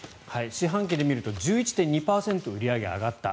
四半期で見ると１１．２％売り上げが上がった。